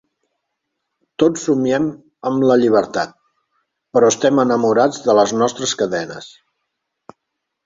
Tots somiem amb la llibertat, però estem enamorats de les nostres cadenes.